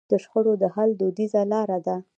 جرګه د شخړو د حل دودیزه لاره ده.